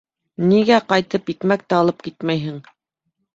- Нигә ҡайтып икмәк тә алып китмәйһең?